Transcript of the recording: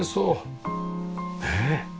ねえ。